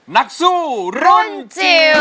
นักสู้รุ่นจิ๋ว